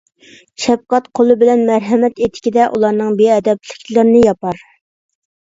شەپقەت قولى بىلەن مەرھەمەت ئېتىكىدە ئۇلارنىڭ بىئەدەپلىكلىرىنى ياپار.